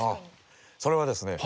それはですね